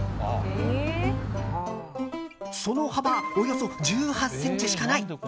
その幅、およそ１８ｃｍしかない。